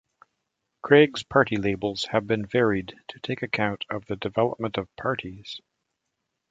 Craig's party labels have been varied to take account of the development of parties.